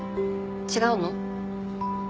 違うの？